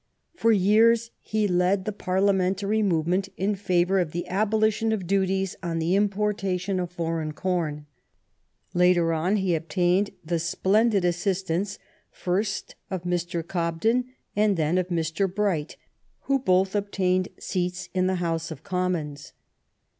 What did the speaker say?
For years he led the Parliamentary movement in favor of the abolition of duties on the importation of foreign corn. Later on he obtained the splen did assistance, first of Mr. Cobden, and then of Mr. Bright, who both obtained seats in the House of Commons.